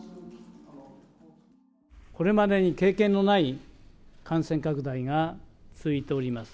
これまでに経験のない感染拡大が続いております。